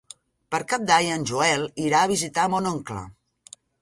Per Cap d'Any en Joel irà a visitar mon oncle.